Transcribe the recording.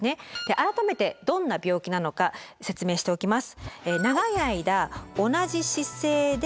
改めてどんな病気なのか説明しておきます。